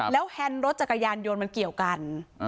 แล้วแฮนด์รถจักรยานยนต์มันเกี่ยวกัน